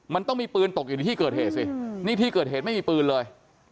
มันต้องมีปืนตกอยู่ในที่เกิดเหตุสินี่ที่เกิดเหตุไม่มีปืนเลย